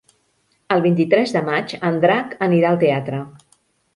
El vint-i-tres de maig en Drac anirà al teatre.